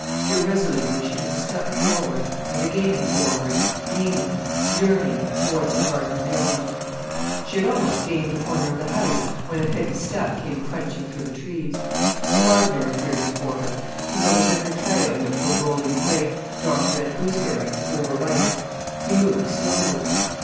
Irresolutely she took a step forward, and again forward, leaning, yearning, towards the garden beyond. She had almost gained the corner of the house when a heavy step came crunching through the trees. A gardener appeared before her. He held a wicker tray on which were rolling great, dark red gooseberries, overripe. He moved slowly.